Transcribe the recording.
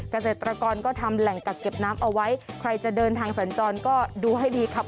เกษตรกรก็ทำแหล่งกักเก็บน้ำเอาไว้ใครจะเดินทางสัญจรก็ดูให้ดีครับ